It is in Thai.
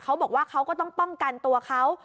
เขาบอกว่าเขาก็ต้องป้องกันตัวเขา